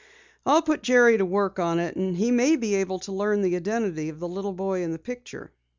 "I'll put Jerry to work on it and he may be able to learn the identity of the little boy in the picture."